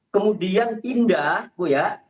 kemudian indah bu ya